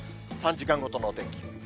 ３時間ごとのお天気。